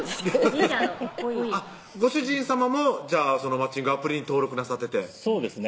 リチャードかっこいいご主人さまもじゃあそのマッチングアプリに登録なさっててそうですね